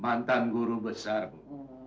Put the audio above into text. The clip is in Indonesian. mantan guru besar bu